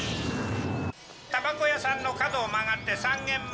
たばこ屋さんの角を曲がって３軒目。